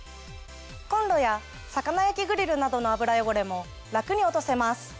コンロや魚焼きグリルなどの油汚れも楽に落とせます。